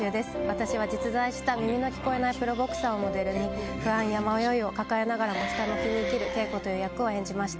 私は実在した耳の聞こえないプロボクサーをモデルに不安や迷いを抱えながらもひた向きに生きるケイコという役を演じました。